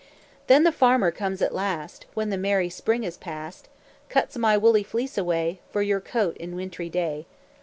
"Then the farmer comes at last, When the merry spring is past, Cuts my woolly fleece away, For your coat in wintry day.